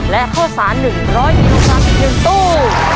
และโฆษณ์๑๒๓๑ตู้